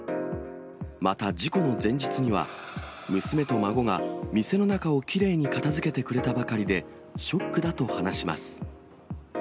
また事故の前日には、娘と孫が店の中をきれいに片づけてくれたばかりで、ショックだと話します。